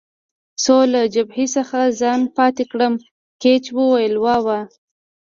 څو له جبهې څخه ځان پاتې کړم، ګېج وویل: وا وا.